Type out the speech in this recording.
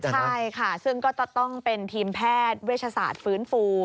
ใช่ค่ะซึ่งก็จะต้องเป็นทีมแพทย์เวชศาสตร์ฟื้นฟู